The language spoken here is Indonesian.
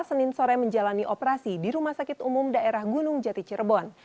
senin sore menjalani operasi di rumah sakit umum daerah gunung jati cirebon